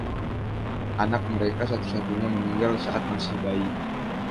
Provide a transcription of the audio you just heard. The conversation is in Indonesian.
Anak mereka satu-satunya meninggal saat masih bayi.